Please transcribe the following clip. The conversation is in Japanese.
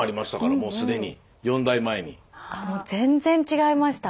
もう全然違いました。